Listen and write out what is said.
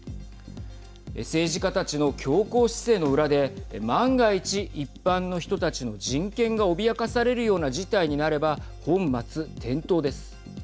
政治家たちの強硬姿勢の裏で万が一、一般の人たちの人権が脅かされるような事態になれば本末転倒です。